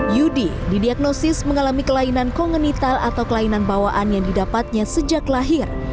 yudi didiagnosis mengalami kelainan kongenital atau kelainan bawaan yang didapatnya sejak lahir